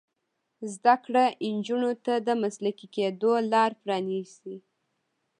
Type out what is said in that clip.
زده کړه نجونو ته د مسلکي کیدو لار پرانیزي.